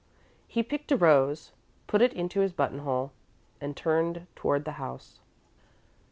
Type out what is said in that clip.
He picked a rose, put it into his button hole, and turned toward the house.